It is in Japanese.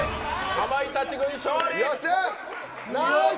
かまいたち軍、勝利。